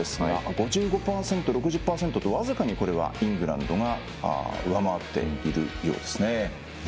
５５％、６０％と僅かにこれは、イングランドが上回っているようですね。